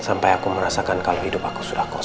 sampai aku merasakan kalau hidup aku sudah kosong